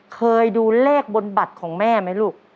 เคยดูเลขบนบัตรของแม่ไหมลูก